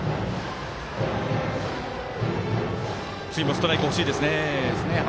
ストライクが欲しいですね。